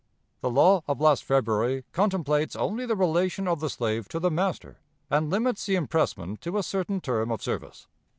The law of last February contemplates only the relation of the slave to the master, and limits the impressment to a certain term of service.